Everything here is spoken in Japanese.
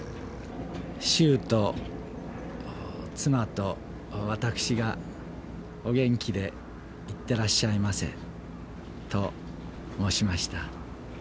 舟と妻と私が、お元気でいってらっしゃいませと申しました。